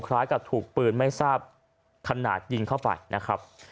คล้ายกับถูกปืนไม่ทราบขนาดยิงเข้าไปนะครับ